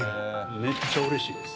めっちゃ嬉しいです。